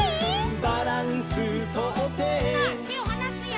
「バランスとって」さあてをはなすよ。